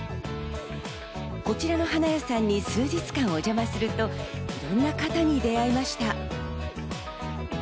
こちらの花屋さんに数日間お邪魔すると、こんな方に出会いました。